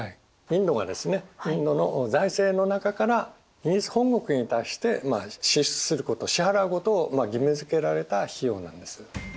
インドがですねインドの財政の中からイギリス本国に対して支出すること支払うことを義務づけられた費用なんです。